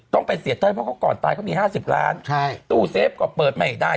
ต้องไปเสียเต้ยเพราะเขาก่อนตายเขามี๕๐ล้านตู้เซฟก็เปิดไม่ได้